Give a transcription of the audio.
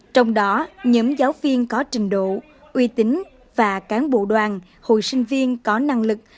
trong đó nhóm giáo viên có trình độ uy tín và cán bộ đoàn hồi sinh viên có năng lực